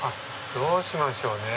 どうしましょうね。